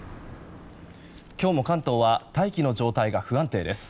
今日も関東は大気の状態が不安定です。